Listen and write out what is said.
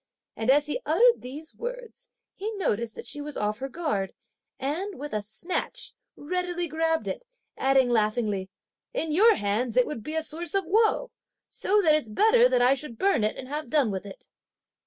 and as he uttered these words, he noticed that she was off her guard, and, with a snatch, readily grabbed it adding laughingly: "In your hands, it would be a source of woe, so that it's better that I should burn it, and have done with it!"